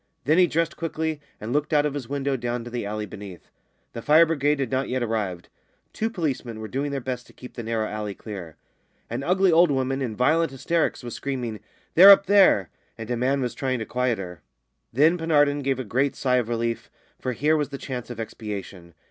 Then he dressed quickly, and looked out of his window down to the alley beneath. The fire brigade had not yet arrived. Two policemen were doing their best to keep the narrow alley clear. An ugly old woman, in violent hysterics, was screaming, "They're up there!" and a man was trying to quiet her. Then Penarden gave a great sigh of relief, for here was the chance of expiation.